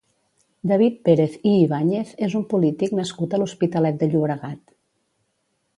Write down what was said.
David Pérez i Ibáñez és un polític nascut a l'Hospitalet de Llobregat.